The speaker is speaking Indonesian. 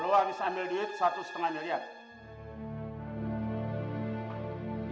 lo habis ambil duit satu setengahnya lihat